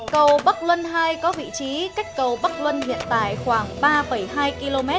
cầu bắc luân ii có vị trí cách cầu bắc luân hiện tại khoảng ba hai km